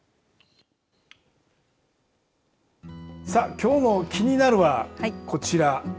きょうのキニナル！はこちら。